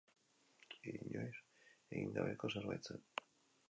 Inoiz egin gabeko zerbait zen.